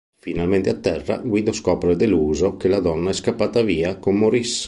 Finalmente a terra, Guido scopre deluso che la donna è scappata via con Maurice.